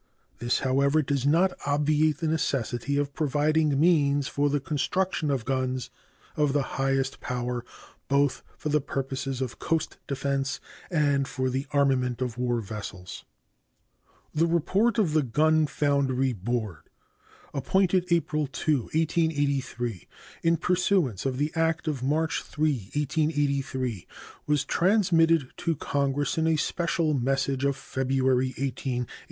This, however, does not obviate the necessity of providing means for the construction of guns of the highest power both for the purposes of coast defense and for the armament of war vessels. The report of the Gun Foundry Board, appointed April 2, 1883, in pursuance of the act of March 3, 1883, was transmitted to Congress in a special message of February 18, 1884.